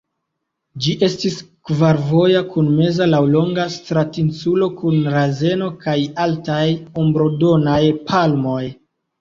Ĝi estis kvarvoja kun meza laŭlonga stratinsulo kun razeno kaj altaj ombrodonaj palmoj.